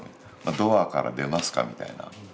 「ドアから出ますか」みたいな。